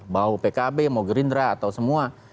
bahwa pkb mau gerindra atau semua